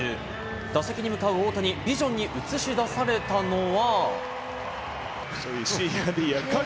打席に向かう大谷、ビジョンに映し出されたのは。